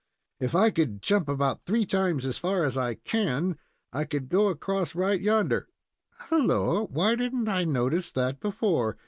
"If I could jump about three times as far as I can, I could go across right yonder helloa! why did n't I notice that before?"